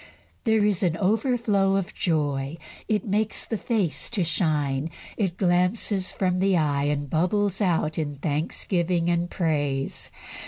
There is an overflow of joy. It makes the face to shine; it glances from the eye, and bubbles out in thanksgiving and praise.